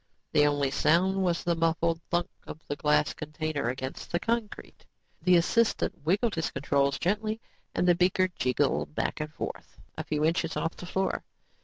The only sound was the muffled thunk of the glass container against the concrete. The assistant wiggled his controls gently and the beaker jiggled back and forth, a few inches off the floor.